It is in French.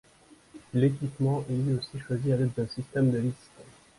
L'équipement est lui aussi choisi à l'aide d'un système de liste.